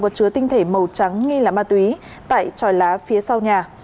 có chứa tinh thể màu trắng nghi là ma túy tại tròi lá phía sau nhà